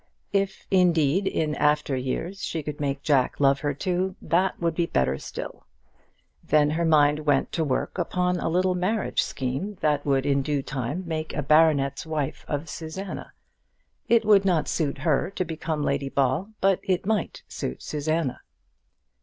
If indeed, in after years, she could make Jack love her too, that would be better still. Then her mind went to work upon a little marriage scheme that would in due time make a baronet's wife of Susanna. It would not suit her to become Lady Ball, but it might suit Susanna.